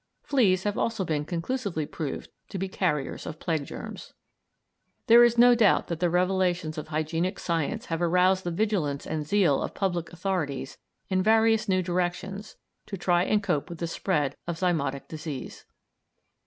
Fleas have also been conclusively proved to be carriers of plague germs. There is no doubt that the revelations of hygienic science have aroused the vigilance and zeal of public authorities in various new directions to try and cope with the spread of zymotic disease.